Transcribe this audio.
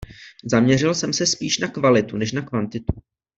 Zaměřil jsem se spíš na kvalitu než na kvantitu.